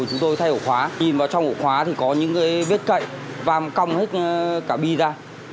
chúng tôi thay ổ khóa nhìn vào trong ổ khóa thì có những cái vết cậy vàm cong hết cả bi ra